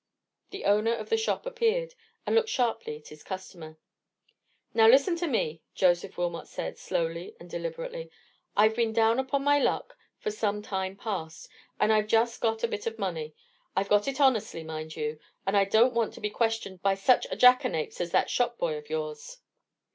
The owner of the shop appeared, and looked sharply at his customer. "Now, listen to me!" Joseph Wilmot said, slowly and deliberately. "I've been down upon my luck for some time past, and I've just got a bit of money. I've got it honestly, mind you; and I don't want to be questioned by such a jackanapes as that shopboy of yours."